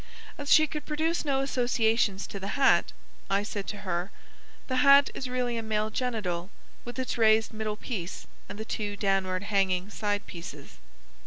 As she could produce no associations to the hat, I said to her: "The hat is really a male genital, with its raised middle piece and the two downward hanging side pieces."